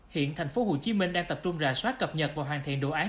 hiện tp hcm đang tập trung rà soát cập nhật và hoàn thiện đồ án